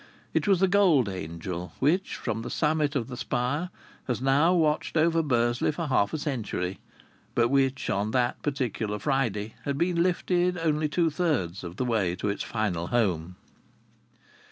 It was the gold angel which, from the summit of the spire, has now watched over Bursley for half a century, but which on that particular Friday had been lifted only two thirds of the way to its final home.